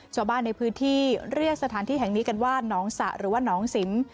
ชาวบ้านในพื้นที่เรียกสถานที่แห่งนี้กันว่าน้องสะหรือว่าน้องสิง